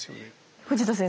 藤田先生